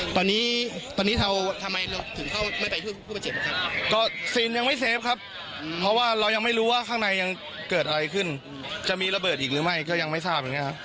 ตอนนี้ตอนนี้เราทำไมเราถึงเข้าไม่ไปช่วยผู้ประเจ็บนะครับก็ซีนยังไม่เซฟครับเพราะว่าเรายังไม่รู้ว่าข้างในยังเกิดอะไรขึ้นจะมีระเบิดอีกหรือไม่ก็ยังไม่ทราบอย่างนี้ครับ